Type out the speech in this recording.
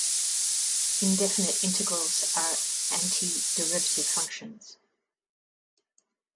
Indefinite integrals are antiderivative functions.